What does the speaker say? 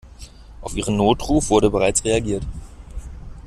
Auf Ihren Notruf wurde bereits reagiert.